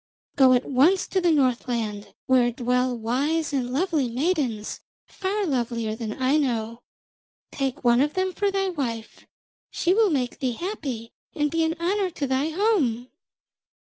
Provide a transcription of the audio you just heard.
Go at once to the Northland, where dwell wise and lovely maidens, far lovelier than Aino. Take one of them for thy wife; she will make thee happy and be an honour to thy home.'